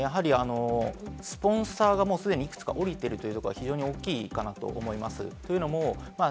スポンサーがもう既にいくつか下りているというところが非常に大きいかなと思います。